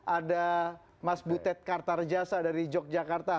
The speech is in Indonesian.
ada mas butet kartarjasa dari yogyakarta